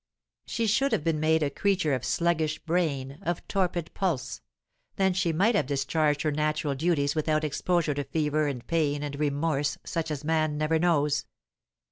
She should have been made a creature of sluggish brain, of torpid pulse; then she might have discharged her natural duties without exposure to fever and pain and remorse such as man never knows.